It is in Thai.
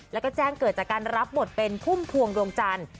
แล้วก็แจ้งเกิดจากการรับบทเป็นพุ่มพวงดวงจันทร์